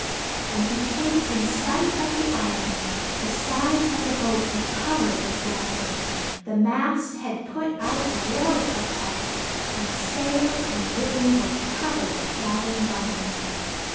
When he came in sight of the island, the sides of the boat were covered with blossoms, the mast had put out a wealth of petals, and the sail and rigging were covered with flowering vines.